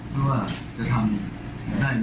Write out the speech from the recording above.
เพราะว่าจะทำได้ไหม